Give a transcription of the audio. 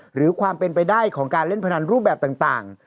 หรือความเป็นไปได้ของการเล่นพนันรูปแบบต่าง